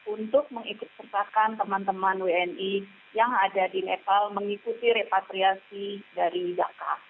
untuk mengikuti repatriasi dari dhaka